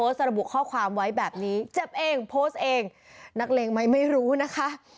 ระบุข้อความไว้แบบนี้เจ็บเองโพสต์เองนักเลงไหมไม่รู้นะคะ